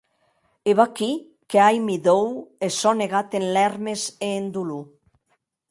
E vaquí qu’amii dòu, e sò negat en lèrmes e en dolor.